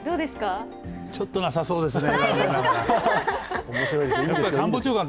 ちょっとなさそうですね、残念ながら。